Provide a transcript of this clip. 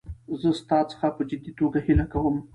زه ستا څخه په جدي توګه هیله کوم.